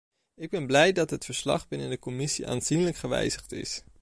Ik ben blij dat het verslag binnen de commissie aanzienlijk gewijzigd is.